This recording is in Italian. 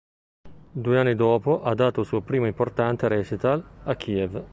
Due anni dopo ha dato il suo primo importante recital a Kiev.